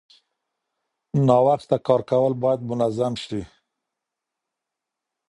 ناوخته کار کول باید منظم شي.